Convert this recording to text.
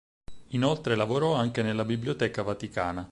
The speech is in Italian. Inoltre lavorò anche nella Biblioteca Vaticana.